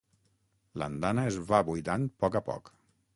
L'andana es va buidant poc a poc.